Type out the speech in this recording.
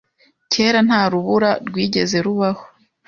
Kera, nta rubura rwigeze rubaho